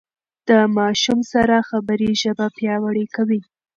د ماشوم سره خبرې ژبه پياوړې کوي.